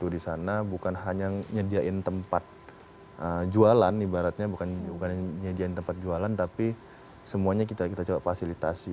di sana bukan hanya nyediain tempat jualan ibaratnya bukan nyediain tempat jualan tapi semuanya kita coba fasilitasi